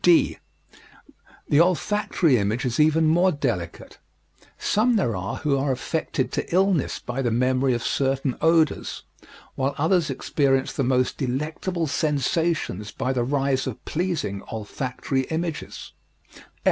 (e) The olfactory image is even more delicate. Some there are who are affected to illness by the memory of certain odors, while others experience the most delectable sensations by the rise of pleasing olfactory images.